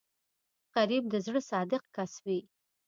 غریب د زړه صادق کس وي